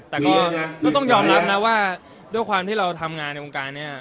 แต่ก็ต้องยอมรับนะว่าด้วยความที่เราทำงานในวงการเนี่ย